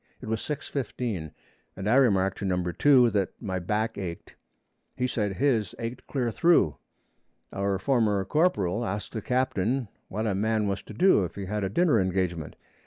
It was 6:15 and I remarked to Number 2 that my back ached. He said his ached clear through. Our former corporal asked the captain what a man was to do if he had a dinner engagement.